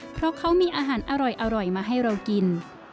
เพราะเขามีอาหารอร่อยมาให้เรากิน